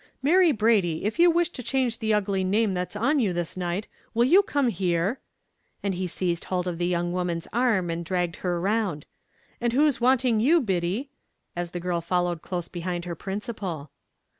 "Mary Brady, if you wish to change the ugly name that's on you this night, will you come here?" and he seized hold of the young woman's arm and dragged her round; "and who's wanting you, Biddy?" as the girl followed close behind her principal.